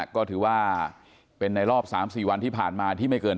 ก็ถือว่าเป็นในรอบ๓๔วันที่ผ่านมาที่ไม่เกิน